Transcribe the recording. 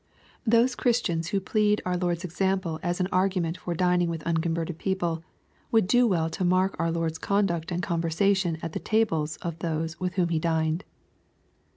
Those Christians who plead our Lord's example as an argu ment for dining with unconverted people, would do well to mark our Lord's conduct and conversation at the tables of those with whom He dined.